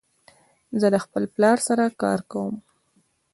زه د خپل پلار سره کار کوم.